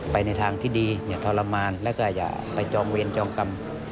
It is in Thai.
ในทางที่ดีอย่าทรมานแล้วก็อย่าไปจองเวรจองกรรม